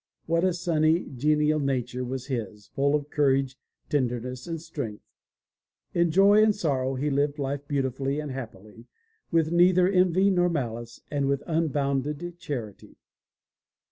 What a sunny, genial nature was his, full of courage, tenderness and strength. In joy and sorrow, he lived life beautifully and happily, with neither envy nor malice and with unbounded charity.